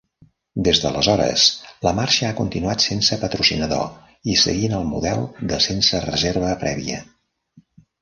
Des d'aleshores, la marxa ha continuat sense patrocinador i seguint el model de sense reserva prèvia.